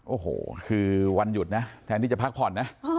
โอ้โหคือวันหยุดนะแทนที่จะพักผ่อนนะ